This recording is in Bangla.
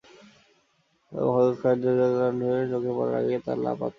এবং হযরত খালিদ রাযিয়াল্লাহু আনহু-এর চোখে পড়ার আগেই তারা লাপাত্তা হয়ে যায়।